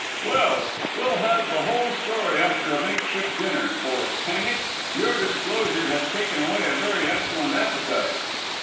"Well, we'll have the whole story after a makeshift dinner, for, hang it, your disclosure has taken away a very excellent appetite.